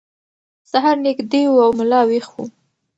سهار نږدې و او ملا ویښ و.